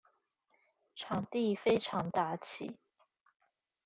場地非常大氣